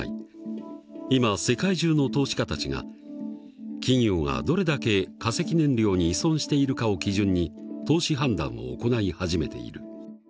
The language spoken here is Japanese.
今世界中の投資家たちが企業がどれだけ化石燃料に依存しているかを基準に投資判断を行い始めている。